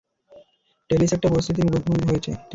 Tales একটা পরিস্থিতির মুখোমুখি হয়েছি।